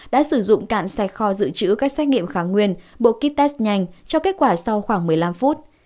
đã sử dụng cạn sạch kho dự trữ các xét nghiệm kháng nguyên bộ kit test nhanh cho kết quả sau khoảng một mươi năm phút